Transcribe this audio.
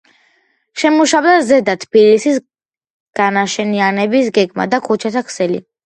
შემუშავდა „ზედა თბილისის“ განაშენიანების გეგმა და ქუჩათა ქსელი.